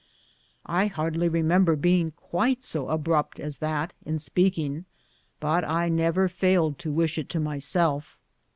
I hardly remember being quite so abrupt as that in speak ing, but I never failed to wish it to myself.